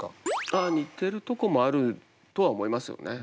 ああ似てるとこもあるとは思いますよね。